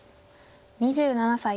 ２７歳。